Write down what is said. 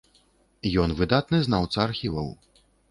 Ён выдатны знаўца архіваў.